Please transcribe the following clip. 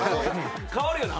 変わるよな